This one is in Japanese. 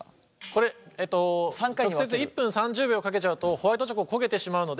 これえと直接１分３０秒かけちゃうとホワイトチョコ焦げてしまうので。